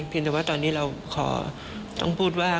เพียงแต่ว่าตอนนี้เราต้องพูดว่า